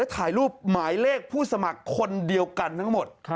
ถ่ายรูปหมายเลขผู้สมัครคนเดียวกันทั้งหมด